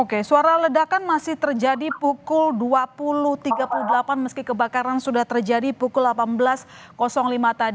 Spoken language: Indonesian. oke suara ledakan masih terjadi pukul dua puluh tiga puluh delapan meski kebakaran sudah terjadi pukul delapan belas lima tadi